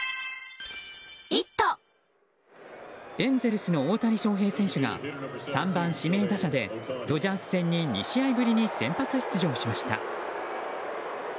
エンゼルスの大谷翔平選手が３番、指名打者でドジャース戦に２試合ぶりに先発出場しました。